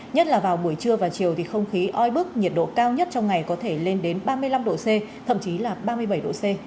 nhất là vào buổi trưa và chiều thì không khí oi bức nhiệt độ cao nhất trong ngày có thể lên đến ba mươi năm độ c thậm chí là ba mươi bảy độ c